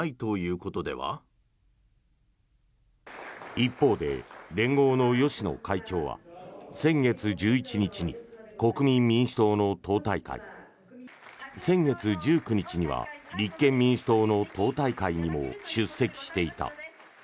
一方で連合の芳野会長は先月１１日に国民民主党の党大会先月１９日には立憲民主党の党大会にも出席していた。